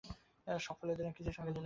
সব ফেলে গেলেন, কিছুই সঙ্গে নিলেন না।